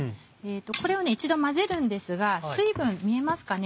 これを一度混ぜるんですが水分見えますかね？